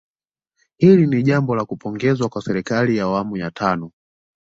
Hilo ni jambo la kupongezwa kwa serikali ya awamu ya tano